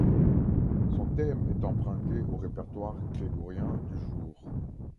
Son thème est emprunté au répertoire grégorien du jour.